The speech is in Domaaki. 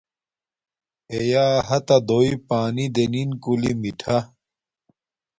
اݵیݳ ہَتَݳ دݸئی پݳنݵ دݵنِن کُلݵ مِٹھݳ.